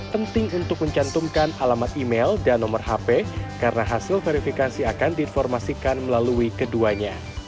penting untuk mencantumkan alamat email dan nomor hp karena hasil verifikasi akan diinformasikan melalui keduanya